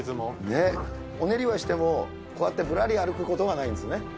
お練りはしても、こうやってぶらり歩くことはないんですね。